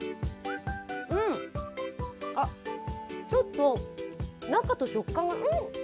うん、ちょっと中と食感がんっ！